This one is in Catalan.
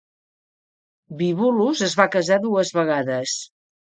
Bibulus es va casar dues vegades.